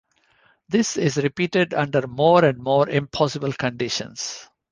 This is repeated under more and more impossible conditions.